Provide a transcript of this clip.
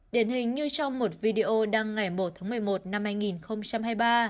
điển hình như trong một video đăng ngày một tháng một mươi một năm hai nghìn hai mươi ba